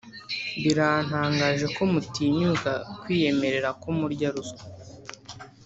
birantangaje ko mutinyuka kwiyemerera ko murya ruswa